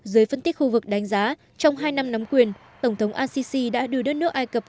dưới phân tích khu vực đánh giá trong hai năm nắm quyền tổng thống assisi đã đưa đất nước ai cập